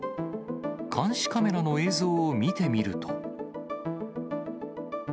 監視カメラの映像を見てみると。